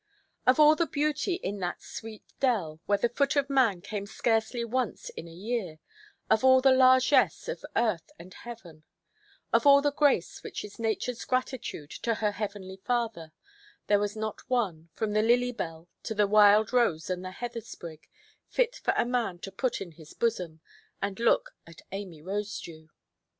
Of all the beauty in that sweet dell, where the foot of man came scarcely once in a year; of all the largesse of earth and heaven; of all the grace which is Natureʼs gratitude to her heavenly Father: there was not one, from the lily–bell to the wild rose and the heather–sprig, fit for a man to put in his bosom, and look at Amy Rosedew.